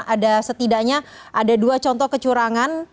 ada setidaknya ada dua contoh kecurangan